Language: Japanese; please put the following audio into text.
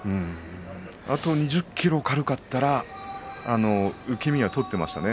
あと２０ｋｇ軽かったら受け身は取っていましたね。